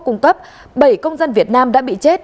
cung cấp bảy công dân việt nam đã bị chết